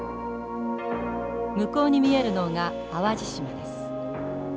向こうに見えるのが淡路島です。